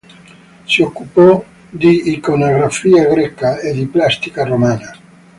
Si occupò di iconografia greca e di plastica romana.